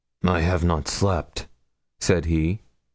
'I have not slept,' said he.